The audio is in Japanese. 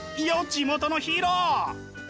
地元のヒーロー！